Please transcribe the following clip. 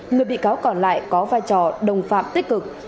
người bị cáo còn lại có vai trò đồng phạm tích cực